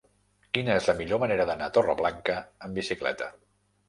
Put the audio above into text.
Quina és la millor manera d'anar a Torreblanca amb bicicleta?